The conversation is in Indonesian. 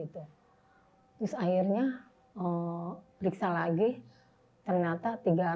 terus akhirnya periksa lagi ternyata tiga ratus dua puluh tiga